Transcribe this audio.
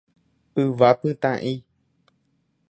Yvapytã'i